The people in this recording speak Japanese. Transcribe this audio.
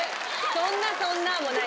「そんなそんな」もない。